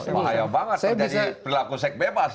bahaya banget terjadi berlaku seks bebas